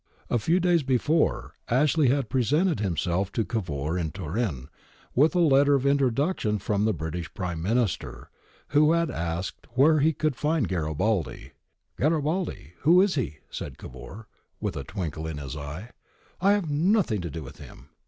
XI * i64 GARIBALDI AND THE MAKING OF ITALY A few days before, Ashley had presented himself to Cavour in Turin, with a letter of introduction from the British Prime Minister, and had asked where he could find Garibaldi. ' Garibaldi ! Who is he ?' said Cavour, with a twinkle in his eye. ' I have nothing to do with him.